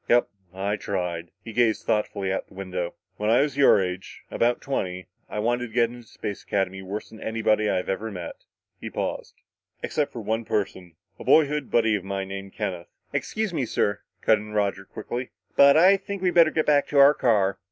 "Yup! I tried." He gazed thoughtfully out the window. "When I was your age, about twenty, I wanted to get into Space Academy worse than anybody I'd ever met." He paused. "Except for one person. A boyhood buddy of mine named Kenneth " "Excuse me, sir," cut in Roger quickly, "but I think we'd better get back to our car.